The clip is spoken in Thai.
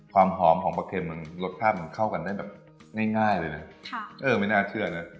มันรสภาพมันเข้ากันได้แบบง่ายเลยเนอะค่ะเออไม่น่าเชื่อเนอะ